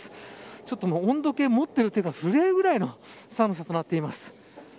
ちょっと温度計を持ってる手が震えるくらいの寒さとなっています。